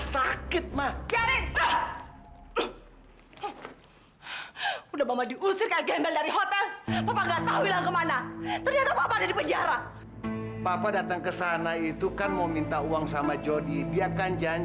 sampai jumpa di video selanjutnya